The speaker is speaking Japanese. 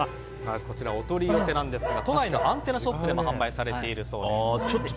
こちらお取り寄せなんですが都内のアンテナショップでも販売されているそうです。